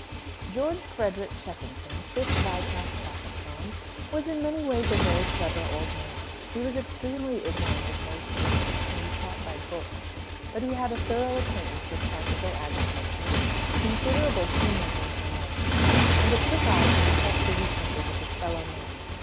George Frederick Cheffington, fifth Viscount Castlecombe, was, in many ways, a very clever old man. He was extremely ignorant of most things which can be taught by books. But he had a thorough acquaintance with practical agriculture, considerable keenness in finance, and a quick eye to detect the weaknesses of his fellow men.